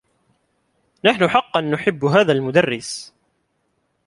نحن حقّا نحبّ هذا المدرّس.